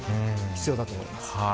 必要だと思います。